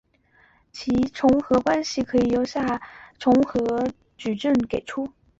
其重合关系可由以下重合矩阵给出。